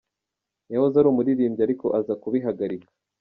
Yahoze ari umuririmbyi ariko aza kubihagarika.